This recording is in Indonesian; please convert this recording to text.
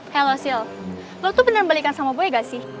hello sil lo tuh beneran balikan sama boy gak sih